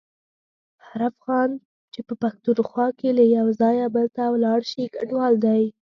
هر افغان چي په پښتونخوا کي له یو ځایه بل ته ولاړشي کډوال دی.